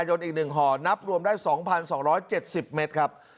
พระอยู่ที่ตะบนมไพรครับ